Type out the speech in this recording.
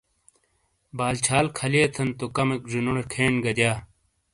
بال چھال خالیتھن تو کمیک زینوٹے کھین گہ دیا۔